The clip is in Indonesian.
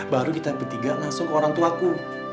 baru kita bertiga langsung ke orang tuaku